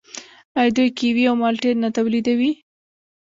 آیا دوی کیوي او مالټې نه تولیدوي؟